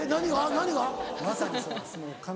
何が？